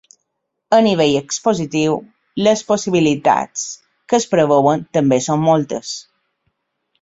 A nivell expositiu, les possibilitats que es preveuen també són moltes.